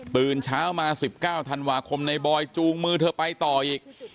ตื่นเช้ามา๑๙ธันวาคมในบอยจูงมือเธอไปต่ออีก